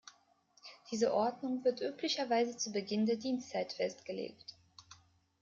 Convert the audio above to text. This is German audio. Diese Ordnung wird üblicherweise zu Beginn der Dienstzeit festgelegt.